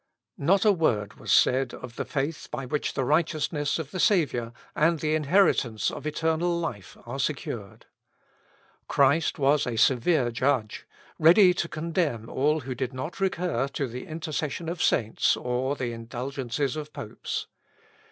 Not a word was said of the faith by which the righteousness of the Saviour, and the inheritance of eternal life, are secured. Christ was a severe judge, ready to condemn all who did not recur to the intercession of saints, or the indulgences of popes.